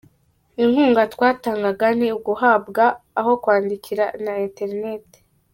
Inkunga twatangaga ni uguhabwa aho kwandikira na Internet.